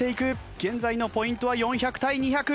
現在のポイントは４００対２００。